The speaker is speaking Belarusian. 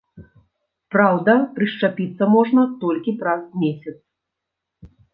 Праўда, прышчапіцца можна толькі праз месяц.